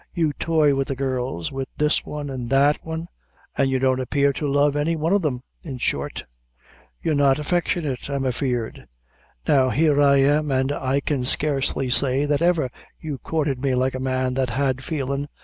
You toy with the girls with this one and that one an' you don't appear to love any one of them in short, you're not affectionate, I'm afeard. Now, here am I, an' I can scarcely say, that ever you courted me like a man that had feelin'.